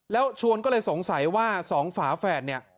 แล้วชวนก็เลยสงสัยว่าสองฝาแฝดเนี่ย